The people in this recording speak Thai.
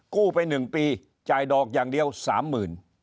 กู้ไป๑ปีจ่ายดอกอย่างเดียวสามหมื่น